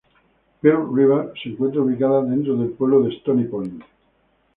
Pearl River se encuentra ubicada dentro del pueblo de Stony Point.